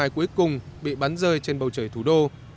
cuối cùng bị bắn rơi trên bầu trời thủ đô